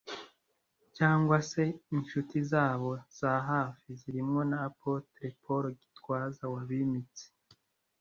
cyangwa se inshuti zabo za hafi zirimo na Apotre Paul Gitwaza wabimitse